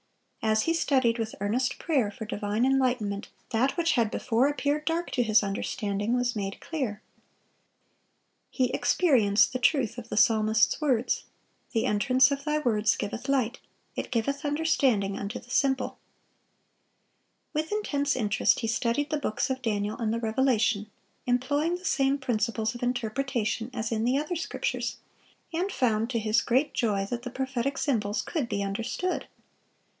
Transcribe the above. As he studied with earnest prayer for divine enlightenment, that which had before appeared dark to his understanding was made clear. He experienced the truth of the psalmist's words, "The entrance of Thy words giveth light; it giveth understanding unto the simple."(518) With intense interest he studied the books of Daniel and the Revelation, employing the same principles of interpretation as in the other scriptures, and found, to his great joy, that the prophetic symbols could be understood.